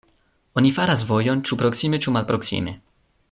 Oni faras vojon, ĉu proksime ĉu malproksime.